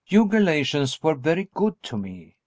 "You Galatians were very good to me.